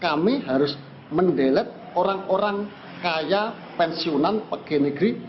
kami harus mendelet orang orang kaya pensiunan pegawai negeri